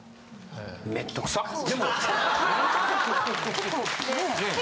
結構ねえ。